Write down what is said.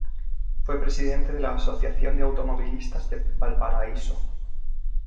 Fue Presidente de la Asociación de Automovilistas de Valparaíso.